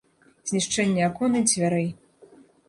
Знішчэнне акон і дзвярэй.